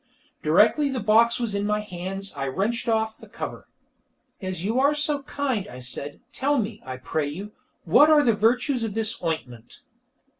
Directly the box was in my hands I wrenched off the cover. "As you are so kind," I said, "tell me, I pray you, what are the virtues of this ointment?"